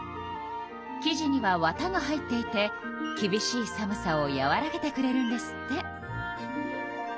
きじにはわたが入っていてきびしい寒さをやわらげてくれるんですって。